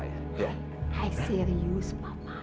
ayah serius papa